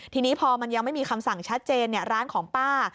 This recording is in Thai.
ทีนี้พอมันยังไม่มีคำสั่งชัดเจนร้านของป้า